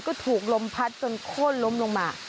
ก็ถูกลมพัดจนโค้นล้มลงมา